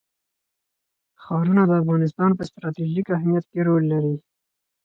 ښارونه د افغانستان په ستراتیژیک اهمیت کې رول لري.